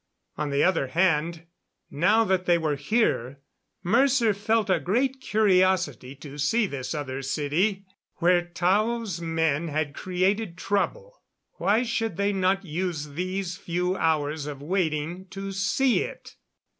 On the other hand, now that they were here, Mercer felt a great curiosity to see this other city where Tao's men had created trouble. Why should they not use these few hours of waiting to see it?